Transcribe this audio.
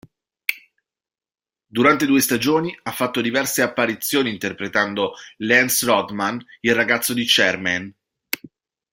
Durante due stagioni, ha fatto diverse apparizioni interpretando Lance Rodman, il ragazzo di Charmaine.